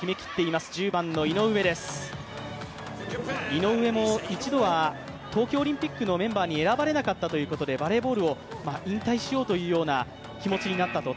井上も一度は東京オリンピックのメンバーに選ばれなかったということでバレーボールを引退しようという気持ちになったと。